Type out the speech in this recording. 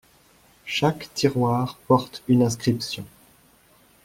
Chaque tiroir porte une inscription.